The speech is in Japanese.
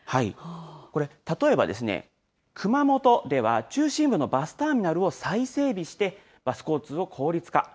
これ、例えば熊本では中心部のバスターミナルを再整備して、バス交通を効率化。